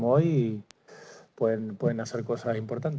mereka bisa melakukan hal yang penting